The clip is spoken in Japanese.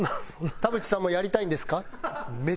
田渕さんもやりたいんですか？